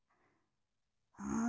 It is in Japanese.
うん？